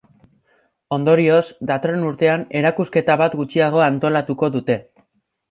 Ondorioz, datorren urtean, erakusketa bat gutxiago antolatuko dute.